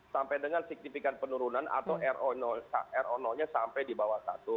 sampai dengan signifikan penurunan atau ro nya sampai di bawah satu